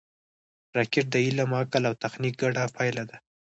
راکټ د علم، عقل او تخنیک ګډه پایله ده